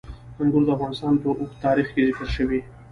انګور د افغانستان په اوږده تاریخ کې ذکر شوي.